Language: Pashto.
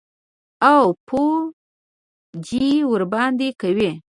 او پوجي ورباندي کوي.